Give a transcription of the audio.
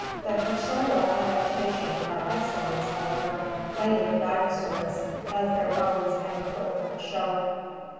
The cursorial adaptation par excellence, however, lay with the dino saurs, as their bones and footprints show.